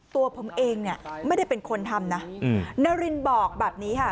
ตัวผมเองเนี่ยไม่ได้เป็นคนทำนะนารินบอกแบบนี้ค่ะ